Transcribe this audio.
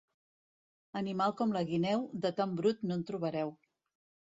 Animal com la guineu, de tan brut no en trobareu.